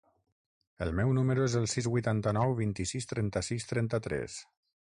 El meu número es el sis, vuitanta-nou, vint-i-sis, trenta-sis, trenta-tres.